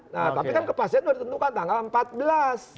nah tapi kan kepastian sudah ditentukan tanggal empat belas